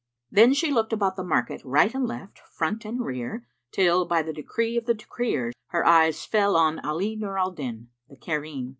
Then she looked about the market right and left, front and rear till, by the decree of the Decreer her eyes fell on Ali Nur al Din the Cairene.